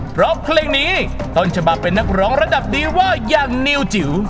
เพราะเพลงนี้ต้นฉบับเป็นนักร้องระดับดีเวอร์อย่างนิวจิ๋ว